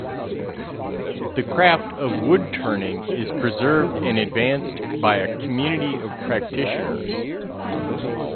The craft of woodturning is preserved and advanced by a community of practitioners.